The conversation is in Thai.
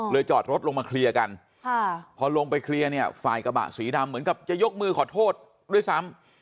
จอดรถลงมาเคลียร์กันพอลงไปเคลียร์เนี่ยฝ่ายกระบะสีดำเหมือนกับจะยกมือขอโทษด้วยซ้ำ